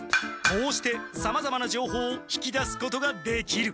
こうしてさまざまなじょうほうを引き出すことができる。